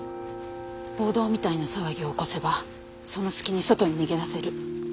暴動みたいな騒ぎを起こせばその隙に外に逃げ出せる。